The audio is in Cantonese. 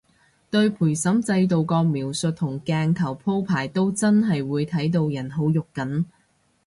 對陪審制度個描述同鏡頭鋪排都真係會睇到人好肉緊